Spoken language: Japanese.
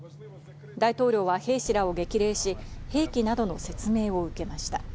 大統領は兵士らを激励し、兵器などの説明を受けました。